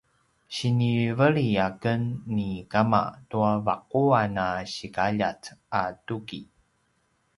siniveli aken ni kama tua vaquan a sikaljat a tuki